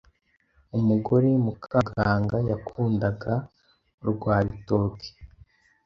Umugore Mukamuganga yakundaga urwa bitoke.